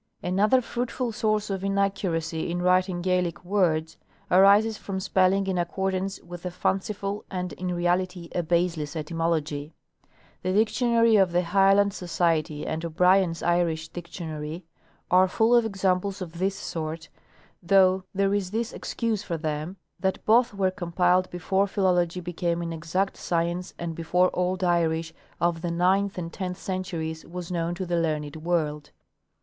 Another fruitful source of inaccuracy in writing Gaelic words arises from spelling in accordance with a fanciful and in reality a baseless etymology. The dictionary of the Highland Society and O'Brien's Irish Dictionary are full of examples of this sort, though there is this excuse for them, that both were compiled before philology became an exact science and before old Irish of the ninth and tenth centuries was known to the learned world.